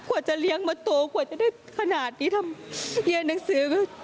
กว่าจะเลี้ยงมาโตกว่าจะได้ขนาดนี้ทำเรียนหนังสือ